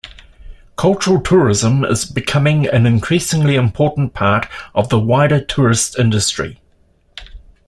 Cultural tourism is becoming an increasingly important part of the wider tourist industry.